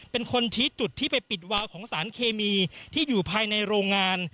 เป็นคนชี้จุดที่ไปปิดวาวของสารเคมีที่อยู่ภายในโรงงาน